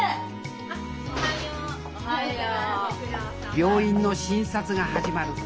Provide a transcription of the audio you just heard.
病院の診察が始まる。